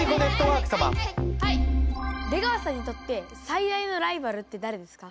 出川さんにとって最大のライバルって誰ですか？